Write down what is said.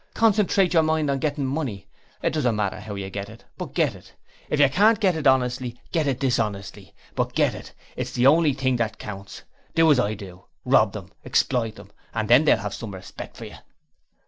Concentrate your mind on getting money it doesn't matter how you get it, but get it. If you can't get it honestly, get it dishonestly, but get it! it is the only thing that counts. Do as I do rob them! exploit them! and then they'll have some respect for you.'